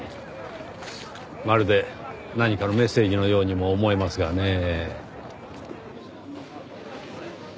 まるで何かのメッセージのようにも思えますがねぇ。